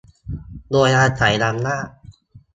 โดยอาศัยอำนาจ